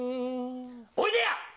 おいでや！